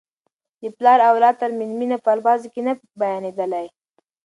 د پلار او اولاد ترمنځ مینه په الفاظو کي نه سي بیانیدلی.